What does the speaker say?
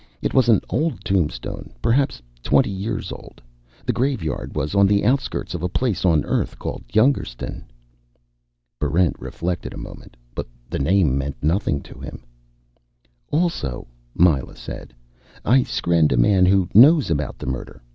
It was an old tombstone, perhaps twenty years old. The graveyard was on the outskirts of a place on Earth called Youngerstun." Barrent reflected a moment, but the name meant nothing to him. "Also," Myla said, "I skrenned a man who knows about the murder.